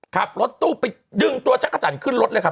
ขับรถตู้ไปดึงตัวจักรจันทร์ขึ้นรถเลยครับ